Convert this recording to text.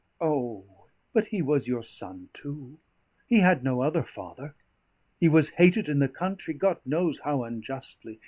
O, but he was your son too! He had no other father. He was hated in the country, God knows how unjustly.